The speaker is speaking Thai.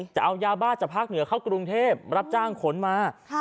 จะเอายาบ้าจากภาคเหนือเข้ากรุงเทพรับจ้างขนมา